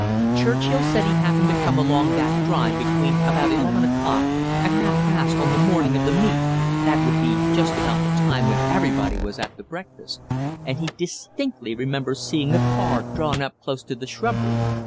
Churchill says he happened to come along that drive between about eleven o'clock and half past on the morning of the meet that would be just about the time when everybody was at the breakfast and he distinctly remembers seeing a car drawn up close to the shrubbery.